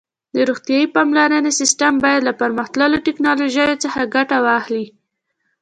د روغتیايي پاملرنې سیسټم باید له پرمختللو ټکنالوژیو څخه ګټه واخلي.